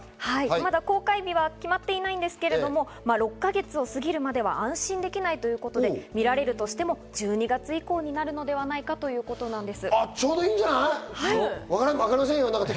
公開日はまだ決まっていないんですけど、６か月をすぎるまでは安心できないので、見られるとしても１２月以降になるのではないかということです。